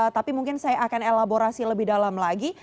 tapi mungkin saya akan elaborasi lebih dalam lagi